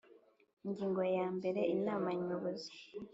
Ingingo ya mbere Inama Nyobozi